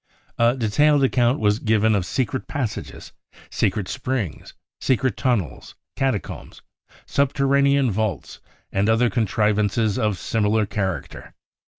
A detailed account was given of secret passages, secret 84 BROWN BOOK. OF THE HITLeV TERROR springs, secret tunnels, catacombs, subterranean vaults « and other contrivances of similar character.